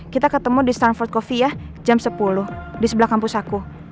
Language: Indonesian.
kita ketemu di stanford coffee jam sepuluh di sebelah kampus aku